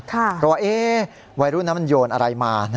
เพราะว่าวัยรุ่นนั้นมันโยนอะไรมา